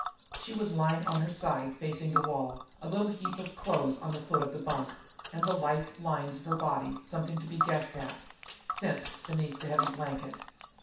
She was lying on her side, facing the wall, a little heap of clothes on the foot of her bunk, and the lithe lines of her body something to be guessed at sensed beneath the heavy blanket.